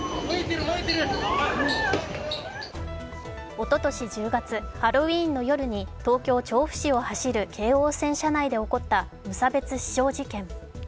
おととし１０月、ハロウィーンの夜に東京・調布市を走る京王線車内で起こった無差別刺傷事件。